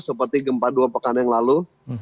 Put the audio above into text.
seperti gempa dua pekan yang lalu